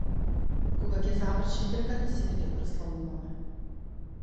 Кога ќе заврши трката сите ќе прославуваме.